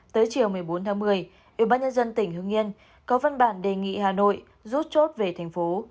tới chiều một mươi bốn tháng một mươi ủy ban nhân dân tỉnh hương yên có văn bản đề nghị hà nội rút chốt về thành phố